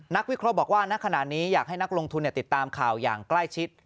วิเคราะห์บอกว่าณขณะนี้อยากให้นักลงทุนติดตามข่าวอย่างใกล้ชิด